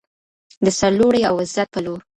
د سرلوړۍ او عزت په لور.